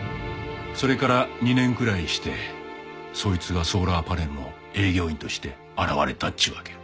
それから２年くらいしてそいつがソーラーパネルの営業員として現れたっちゅうわけや。